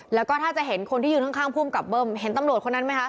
แล้วก็ถ้าจะเห็นคนที่ยืนข้างภูมิกับเบิ้มเห็นตำรวจคนนั้นไหมคะ